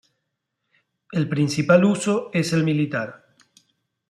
El principal uso es el militar.